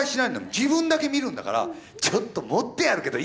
自分だけ見るんだからちょっと盛ってあるけどいいかみたいな。